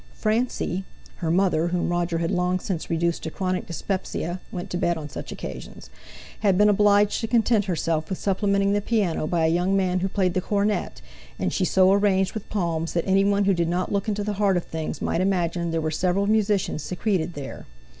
Francie (her mother, whom Roger had long since reduced to chronic dyspepsia, went to bed on such occasions), had been obliged to content herself with supplementing the piano by a young man who played the cornet, and she so arranged with palms that anyone who did not look into the heart of things might imagine there were several musicians secreted there.